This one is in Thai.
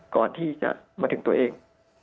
ก่อนที่จะมาถึงตัวเอง